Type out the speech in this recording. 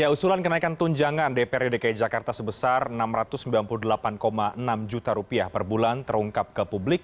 ya usulan kenaikan tunjangan dprd dki jakarta sebesar rp enam ratus sembilan puluh delapan enam juta rupiah per bulan terungkap ke publik